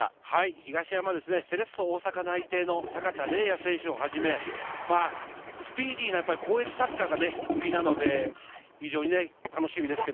東山はセレッソ大阪内定の阪田澪哉選手をはじめ、スピーディーな攻撃サッカーが売りなので、非常に楽しみです。